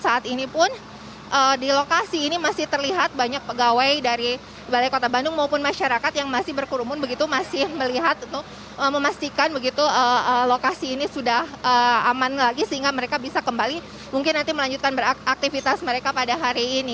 saat ini pun di lokasi ini masih terlihat banyak pegawai dari balai kota bandung maupun masyarakat yang masih berkerumun begitu masih melihat untuk memastikan begitu lokasi ini sudah aman lagi sehingga mereka bisa kembali mungkin nanti melanjutkan beraktivitas mereka pada hari ini